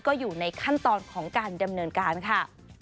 ก็อยู่ในขั้นตอนของการดำเนินการค่ะ